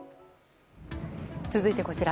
続いて、こちら。